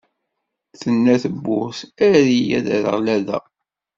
Tenna tebburt: err-iyi, ad rreɣ lada!